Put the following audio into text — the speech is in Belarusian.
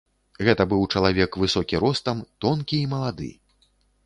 Гэта быў чалавек высокі ростам, тонкі і малады.